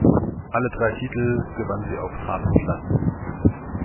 Alle drei Titel gewann sie auf Hartplatz.